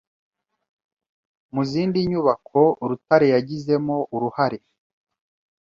Mu zindi nyubako Rutare yagizemo uruhare